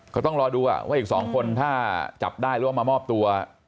เขาต้องรอดูว่าอีก๒คนถ้าจับได้หรือว่ามามอบตัว